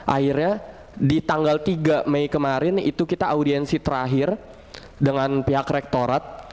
akhirnya di tanggal tiga mei kemarin itu kita audiensi terakhir dengan pihak rektorat